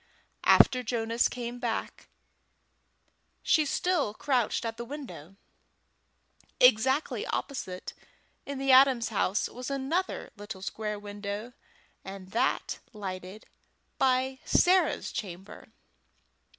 After Jonas came back she still crouched at the window. Exactly opposite in the Adams' house was another little square window, and that lighted Sarah's chamber.